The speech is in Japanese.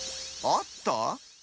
あった？